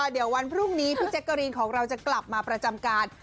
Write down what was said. เดี๋ยววันพรุ่งนี้พี่แจ๊กกะรีนของเราจะกลับมาประจำการ